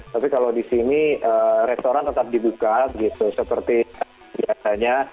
tapi kalau di sini restoran tetap dibuka seperti biasanya